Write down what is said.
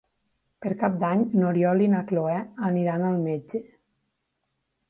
Per Cap d'Any n'Oriol i na Cloè aniran al metge.